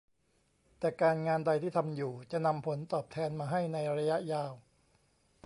แต่การงานใดที่ทำอยู่จะนำผลตอบแทนมาให้ในระยะยาว